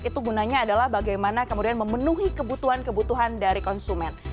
itu gunanya adalah bagaimana kemudian memenuhi kebutuhan kebutuhan dari konsumen